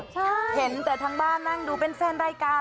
สวัสดีค่ะสวัสดีค่ะ